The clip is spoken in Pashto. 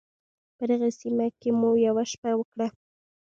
په دغې سیمه کې مو یوه شپه وکړه.